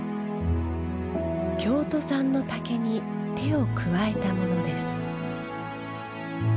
京都産の竹に手を加えたものです。